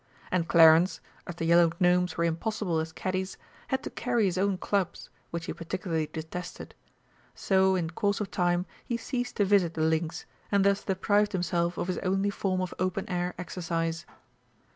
And Clarence, as the Yellow Gnomes were impossible as caddies, had to carry his own clubs, which he particularly detested. So in course of time he ceased to visit the links, and thus deprived himself of his only form of open air exercise.